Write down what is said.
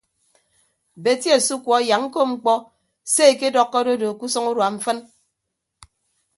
Beti asukuọ yak ñkop mkpọ se ekedọkkọ adodo ke usʌñ urua mfịn.